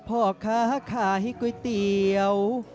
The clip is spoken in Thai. พระเอกลิเกย์และพ่อค้าขายก๋วยเตี๋ยว